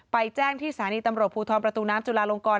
แจ้งที่สถานีตำรวจภูทรประตูน้ำจุลาลงกร